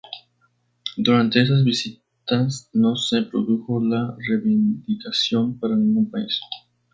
Durante esas visitas no se produjo la reivindicación para ningún país.